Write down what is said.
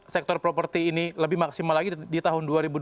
sektor properti ini lebih maksimal lagi di tahun dua ribu dua puluh